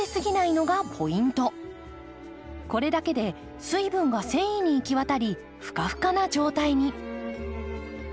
これだけで水分が繊維に行き渡りふかふかな状態に。